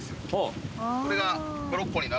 これが。